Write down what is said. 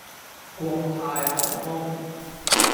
國泰航空